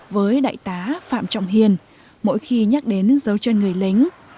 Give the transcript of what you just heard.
với đại tá phạm trọng hiền mỗi khi nhắc đến dấu chân người lính